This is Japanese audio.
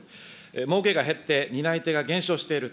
もうけが減って担い手が減少している。